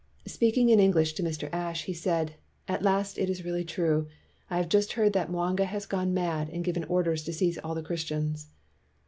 Speak ing in English to Mr. Ashe, he said, "At last it is really true. I have just heard that Mwanga has gone mad and given orders to seize all the Christians."